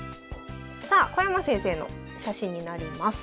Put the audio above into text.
さあ小山先生の写真になります。